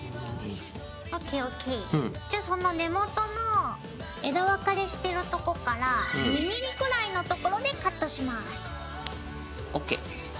じゃその根元の枝分かれしてるとこから２ｍｍくらいのところでカットします。